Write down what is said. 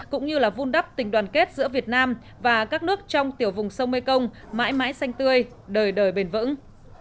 cũng như vun đắp tình đoàn kết giữa việt nam và các nước trong tiểu vùng sông mê công mãi mãi xanh tươi đời đời bền vững